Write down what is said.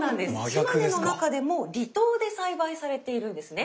島根の中でも離島で栽培されているんですね。